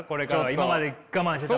今まで我慢してたものが。